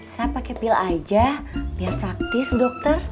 saya pake pil aja biar praktis bu dokter